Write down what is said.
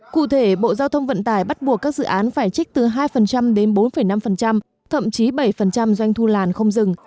cụ thể bộ giao thông vận tải bắt buộc các dự án phải trích từ hai đến bốn năm thậm chí bảy doanh thu làn không dừng